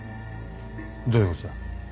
どういうことだ。